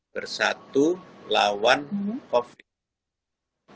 bersatu lawan covid